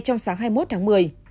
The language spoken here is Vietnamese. trong sáng hai mươi một tháng một mươi